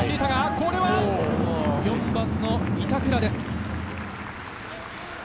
これは４番・板倉です。